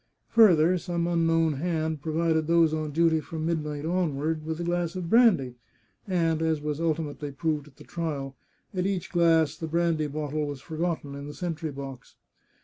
Further, some unknown hand provided those on duty from midnight onward with a glass of brandy, and (as was ultimately proved at the trial) at each glass the brandy bottle was forgotten in the sentry box.